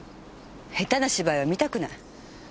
下手な芝居は見たくない。